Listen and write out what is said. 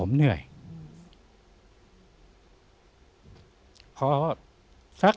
พี่น้องรู้ไหมว่าพ่อจะตายแล้วนะ